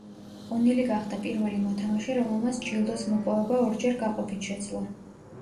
ონილი გახდა პირველი მოთამაშე, რომელმაც ჯილდოს მოპოვება ორჯერ გაყოფით შეძლო.